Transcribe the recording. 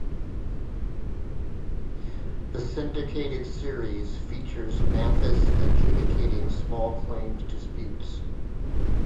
The syndicated series features Mathis adjudicating small claims disputes.